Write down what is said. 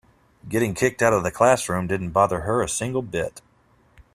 Getting kicked out of the classroom didn't bother her a single bit.